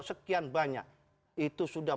sekian banyak itu sudah